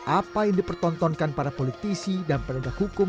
apa yang dipertengankan para politisi dan peradzak hukum